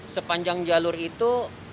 sepanjang jalur itu